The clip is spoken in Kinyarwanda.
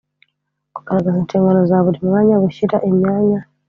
Kugaragaza inshingano za buri mwanya gushyira imyanya